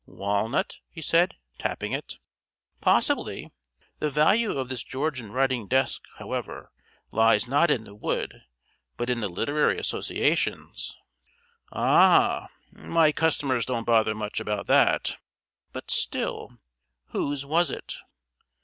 "Walnut?" he said, tapping it. "Possibly. The value of this Georgian writing desk, however, lies not in the wood but in the literary associations." "Ah! My customers don't bother much about that, but still whose was it?"